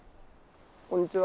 こんにちは。